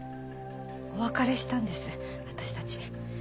お別れしたんです私たち。